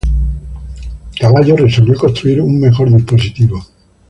Cavallo resolvió construir un mejor dispositivo.